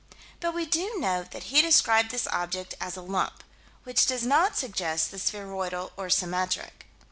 But we do note that he described this object as a "lump," which does not suggest the spheroidal or symmetric.